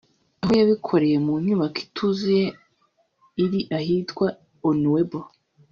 aho yabikoreye mu nyubako ituzuye iri ahitwa Onuebo